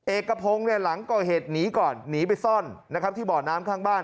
เอกพรงหลังก็เหตุหนีก่อนหนีไปซ่อนที่บ่อน้ำข้างบ้าน